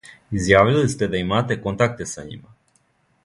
Изјавили сте да имате контакте са њима.